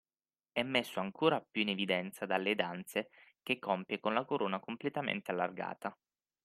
È messo ancora più in evidenza dalle danze che compie con la corona completamente allargata